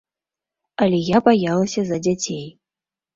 Але я баялася за дзяцей.